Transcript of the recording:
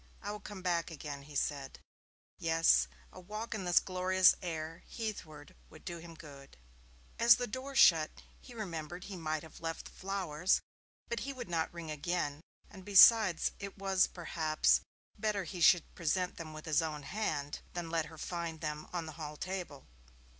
'I will come back again,' he said. Yes, a walk in this glorious air heathward would do him good. As the door shut he remembered he might have left the flowers, but he would not ring again, and besides, it was, perhaps, better he should present them with his own hand, than let her find them on the hall table.